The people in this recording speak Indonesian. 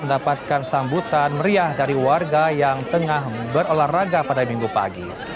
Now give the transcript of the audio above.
mendapatkan sambutan meriah dari warga yang tengah berolahraga pada minggu pagi